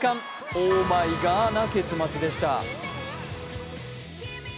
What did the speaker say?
オーマイガーな結末でした。